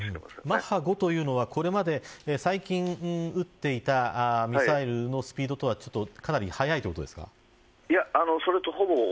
マッハ５というのは、これまで最近撃っていたミサイルのスピードよりはかなり速いということですか。